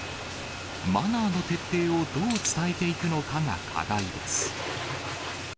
マナーの徹底をどう伝えていくのかが課題です。